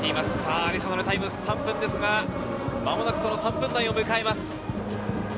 アディショナルタイム３分ですが、間もなくその３分台を迎えます。